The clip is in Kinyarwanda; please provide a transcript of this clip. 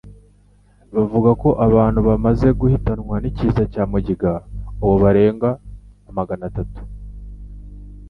bavuga ko abantu bamaze guhitanwa n'ikiza cya mugiga ubu barenga amagana atatu.